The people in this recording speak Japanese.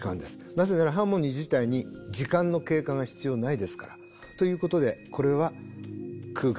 なぜならハーモニー自体に時間の経過が必要ないですから。ということでこれは空間です。